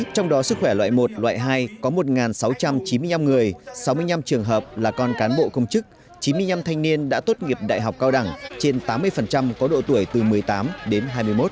trong đó sức khỏe loại một loại hai có một sáu trăm chín mươi năm người sáu mươi năm trường hợp là con cán bộ công chức chín mươi năm thanh niên đã tốt nghiệp đại học cao đẳng trên tám mươi có độ tuổi từ một mươi tám đến hai mươi một